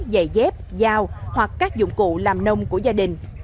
giày dép dao hoặc các dụng cụ làm nông của gia đình